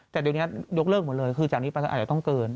แต่เดี๋ยวนี้ยกเลิกหมดเลยคือจากนี้ไปอาจจะต้องเกิน